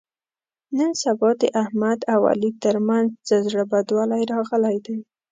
نن سبا د احمد او علي تر منځ څه زړه بدوالی راغلی دی.